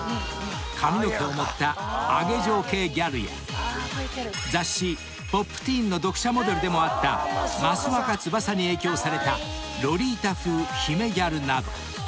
［髪の毛を盛ったａｇｅ嬢系ギャルや雑誌『Ｐｏｐｔｅｅｎ』の読者モデルでもあった益若つばさに影響されたロリータ風姫ギャルなど］